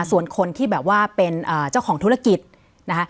ส่วนคนที่แบบว่าเป็นเจ้าของธุรกิจนะคะ